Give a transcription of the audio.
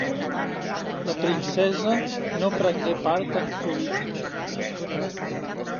La princesa no prengué part en política.